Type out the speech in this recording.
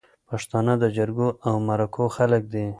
پښتانه د جرګو او مرکو خلک دي